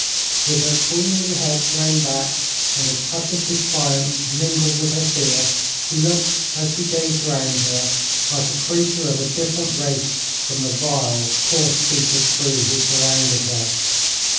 With her queenly head thrown back, and a touch of defiance mingled with her fear, she looked as she gazed round her like a creature of a different race from the vile, coarse featured crew who surrounded her.